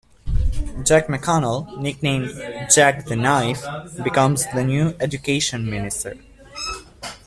Jack McConnell, nicknamed "Jack the Knife", becomes the new Education Minister.